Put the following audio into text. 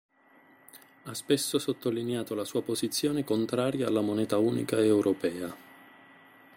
Ha spesso sottolineato la sua posizione contraria alla moneta unica europea.